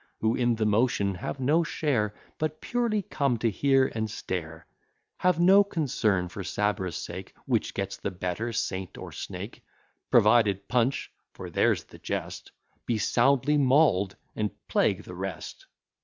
Who in the motion have no share, But purely come to hear and stare; Have no concern for Sabra's sake, Which gets the better, saint or snake, Provided Punch (for there's the jest) Be soundly maul'd, and plague the rest.